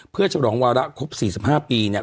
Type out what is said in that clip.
เพื่อฉลองวาระครบ๔๕ปีเนี่ย